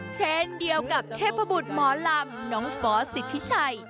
เช่นเดียวกับเทพบุตรหมอลำน้องฟอสสิทธิชัย